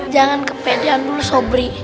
jangan kepedean dulu sobri